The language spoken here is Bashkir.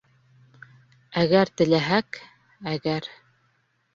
— Әгәр теләһәк, әгәр...